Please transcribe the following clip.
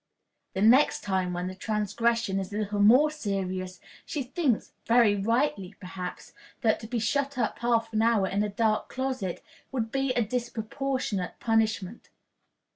The next time, when the transgression is a little more serious, she thinks, very rightly perhaps, that to be shut up half an hour in a dark closet would be a disproportionate punishment.